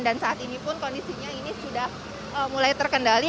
dan saat ini pun kondisinya ini sudah mulai terkendali